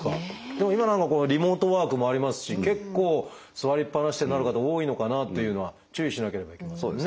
でも今何かこうリモートワークもありますし結構座りっぱなしってなる方多いのかなっていうのは注意しなければいけませんね。